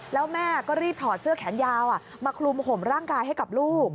แล้วแม่ก็รีบถอดเสื้อแขนยาวมาคลุมห่มร่างกายให้กับลูก